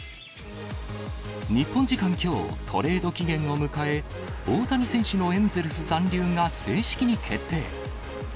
日本時間きょう、トレード期限を迎え、大谷選手のエンゼルス残留が正式に決定。